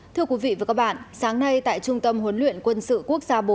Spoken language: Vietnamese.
thưa quý vị và các bạn sáng nay tại trung tâm huấn luyện quân sự quốc gia bốn